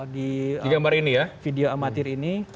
di gambar ini ya video amatir ini